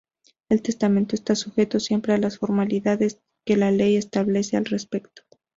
El testamento está sujeto siempre a las formalidades que la ley establece al respecto.